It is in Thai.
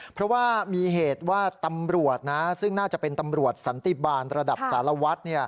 เพราะว่ามีเหตุว่าตำรวจนะซึ่งน่าจะเป็นตำรวจสันติบาลระดับสารวัตร